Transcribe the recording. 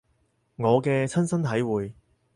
我嘅親身體會